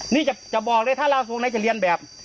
นี่จะบอกเลยถ้าราวทรงไหนจะเรียนแบบ